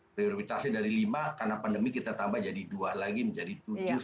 prioritasnya dari lima karena pandemi kita tambah jadi dua lagi menjadi tujuh satu